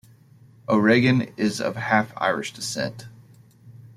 O'Regan is of half Irish descent.